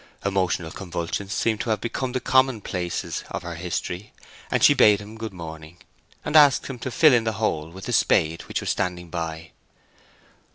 Emotional convulsions seemed to have become the commonplaces of her history, and she bade him good morning, and asked him to fill in the hole with the spade which was standing by.